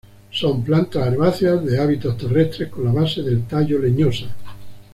Son plantas herbáceas de hábitos terrestres con la base del tallo leñosa.